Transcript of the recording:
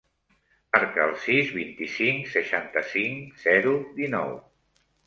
Marca el sis, vint-i-cinc, seixanta-cinc, zero, dinou.